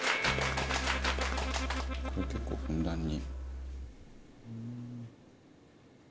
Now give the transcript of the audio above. これ結構ふんだんに。